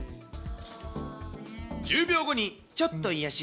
１０秒後にちょっと癒やし！